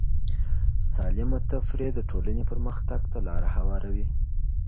سالم تفریح د ټولنې پرمختګ ته لاره هواروي.